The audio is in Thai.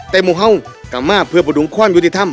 แต่หมู่ห้องกลับมาเพื่อประดุงความยุติธรรม